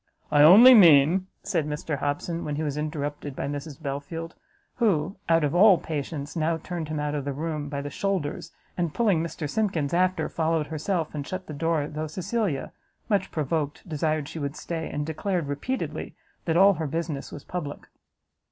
"I only mean," said Mr Hobson, when he was interrupted by Mrs Belfield, who, out of all patience, now turned him out of the room by the shoulders, and, pulling Mr Simkins after, followed herself, and shut the door, though Cecilia, much provoked, desired she would stay, and declared repeatedly that all her business was public.